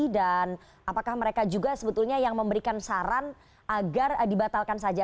dan apakah mereka juga sebetulnya yang memberikan saran agar dibatalkan saja